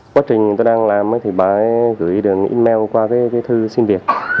quá trình tôi đang làm thì bà ấy gửi được email qua cái thư xin việc